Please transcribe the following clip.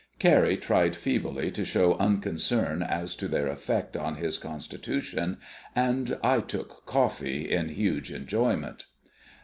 Carrie tried feebly to show unconcern as to their effect on his constitution, and I took coffee in huge enjoyment.